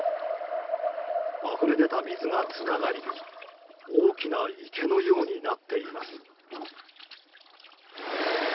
あふれ出た水がつながり大きな池のようになっています。